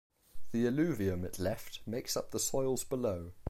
The alluvium it left makes up the soils below.